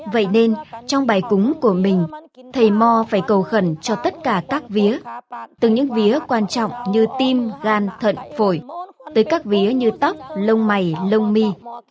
vậy nên trong bài cúng của mình thầy mò phải cầu khẩn cho tất cả các vía từ những vía quan trọng như tim gan thận phổi tới các vía như tóc lông mày lông mi